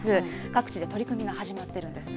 各地で取り組みが始まってるんです。